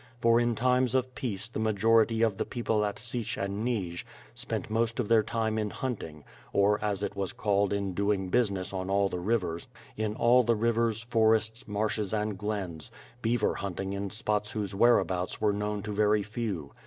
For in times of peace the majority of the people at Sich and Nij, spent most of their time in hunting, or as it was called in doing business on all the rivers, in all the rivers, forests, marshes, and glens; beaver hunting in spots whose whereabouts were known to very few.